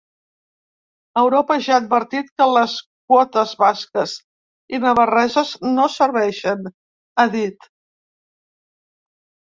Europa ja ha advertit que les quotes basques i navarreses no serveixen, ha dit.